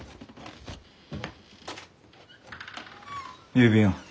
郵便を。